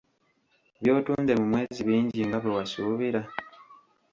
By’otunze mu mwezi bingi nga bwe wasuubira?